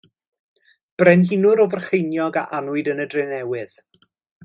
Brenhinwr o Frycheiniog a anwyd yn y Drenewydd.